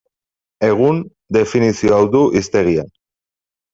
Egun, definizio hau du hiztegian.